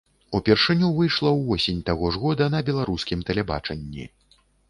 Упершыню выйшла ўвосень таго ж года на беларускім тэлебачанні.